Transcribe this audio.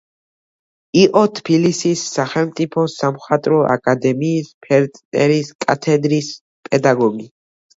იყო თბილისის სახელმწიფო სამხატვრო აკადემიის ფერწერის კათედრის პედაგოგი.